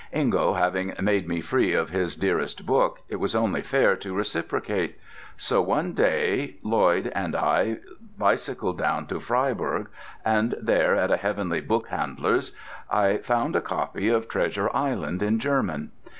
Ingo having made me free of his dearest book, it was only fair to reciprocate. So one day Lloyd and I bicycled down to Freiburg, and there, at a heavenly "bookhandler's," I found a copy of 'Treasure Island' in German.